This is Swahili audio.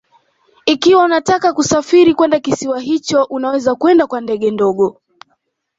Ikiwa unataka kusafiri kwenda kisiwa hicho unaweza kwenda kwa ndege ndogo